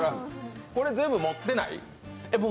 これ全部持ってない？